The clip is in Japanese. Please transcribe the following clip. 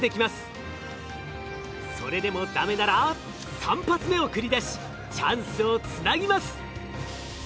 それでもダメなら３発目を繰り出しチャンスをつなぎます。